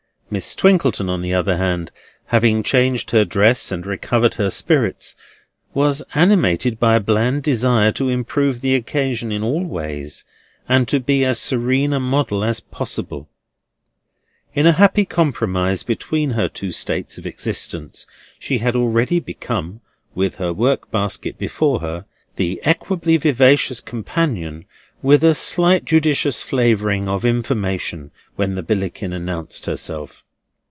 Miss Twinkleton, on the other hand, having changed her dress and recovered her spirits, was animated by a bland desire to improve the occasion in all ways, and to be as serene a model as possible. In a happy compromise between her two states of existence, she had already become, with her workbasket before her, the equably vivacious companion with a slight judicious flavouring of information, when the Billickin announced herself.